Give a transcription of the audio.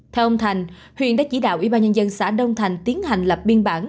theo ông thành huyện đã chỉ đạo ủy ban nhân dân xã đông thành tiến hành lập biên bản